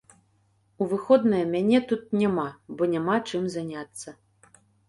У выходныя мяне тут няма, бо няма чым заняцца.